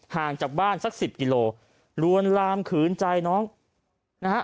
ห่างจากบ้านสักสิบกิโลลวนลามขืนใจน้องนะฮะ